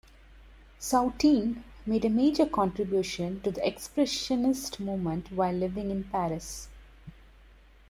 Soutine made a major contribution to the expressionist movement while living in Paris.